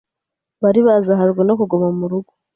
bari bazahajwe no kuguma murugo